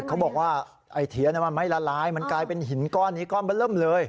เขาบอกว่าไอ้เถียนมันไม่ละลายมันกลายเป็นหินก้อนนี้ก้อนมันเริ่มเลย